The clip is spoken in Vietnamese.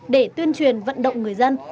để tuyên truyền vận động người dân